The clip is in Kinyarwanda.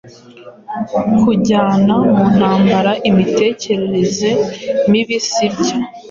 Kujyana mu ntambara imitekerereze mibi sibyo